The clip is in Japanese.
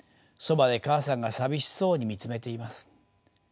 そばで母さんが寂しそうに見つめています。